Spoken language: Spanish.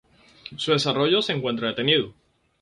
Su desarrollo se encuentra detenido.